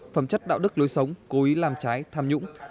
phẩm chất đạo đức lối sống cố ý làm trái tham nhũng